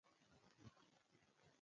خاکساري کول ولې ښه دي؟